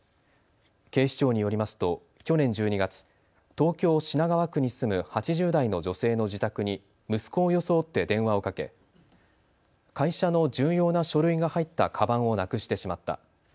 警視庁によりますと去年１２月、東京品川区に住む８０代の女性の自宅に息子を装って電話をかけ会社の重要な書類が入ったかばんをなくしてしまった。